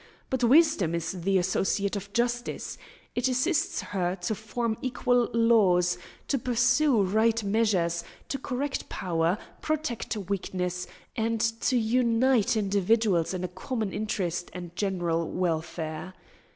But wisdom is the associate of justice. It assists her to form equal laws, to pursue right measures, to correct power, protect weakness, and to unite individuals in a common interest and general welfare.